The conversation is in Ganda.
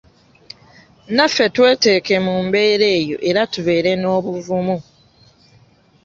Naffe tweteeke mu mbeera eyo era tubeere n'obuvumu.